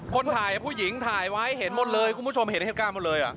คนถ่ายผู้หญิงถ่ายไว้เห็นหมดเลยคุณผู้ชมเห็นเหตุการณ์หมดเลย